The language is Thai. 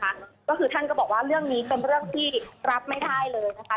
ก็คือท่านก็บอกว่าเรื่องนี้เป็นเรื่องที่รับไม่ได้เลยนะคะ